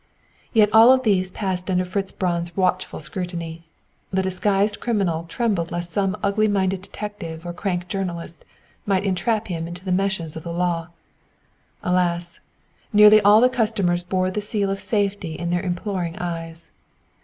Yet all of these passed under Fritz Braun's watchful scrutiny. The disguised criminal trembled lest some ugly minded detective or crank journalist might entrap him into the meshes of the law. Alas! Nearly all the customers bore the seal of safety in their imploring eyes.